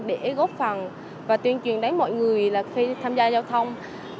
để góp phần và tuyên truyền đến mọi người là khi tham gia giao thông